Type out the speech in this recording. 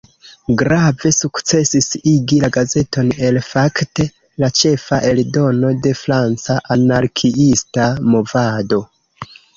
Grave sukcesis igi la gazeton el fakte la "ĉefa" eldono de franca anarkiista movado.